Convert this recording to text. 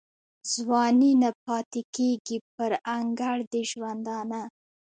ځواني نه پاته کیږي پر انګړ د ژوندانه